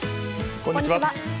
こんにちは。